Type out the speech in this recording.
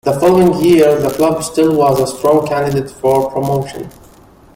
The following year, the club still was a strong candidate for promotion.